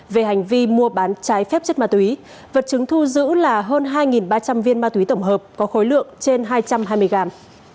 về hành vi mua bán trái phép chất ma túy vật chứng thu giữ là hơn hai ba trăm linh viên ma túy tổng hợp có khối lượng trên hai trăm hai mươi gram